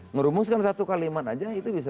ngerumuskan satu kalimat saja itu bisa